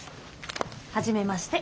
はじめまして。